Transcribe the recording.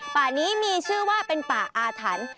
ป่านี้มีชื่อว่าเป็นป่าอาถรรพ์